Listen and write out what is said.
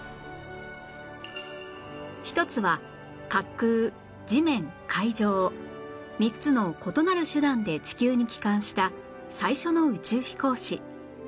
一つは滑空地面海上３つの異なる手段で地球に帰還した最初の宇宙飛行士